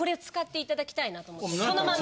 そのまま。